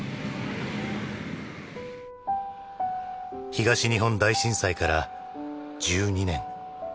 東日本大震災から１２年。